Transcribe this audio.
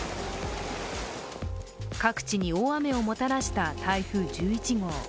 各地に大雨をもたらした台風１１号。